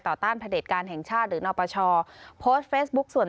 ต้านพระเด็จการแห่งชาติหรือนปชโพสต์เฟซบุ๊คส่วน